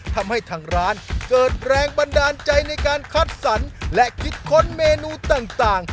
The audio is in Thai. ทำให้ทางร้านเกิดแรงบันดาลใจในการคัดสรรและคิดค้นเมนูต่าง